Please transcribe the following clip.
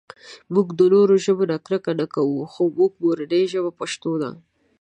مونږ د نورو ژبو نه کرکه نهٔ کوؤ خو زمونږ مورنۍ ژبه پښتو ده